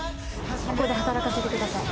ここで働かせてください。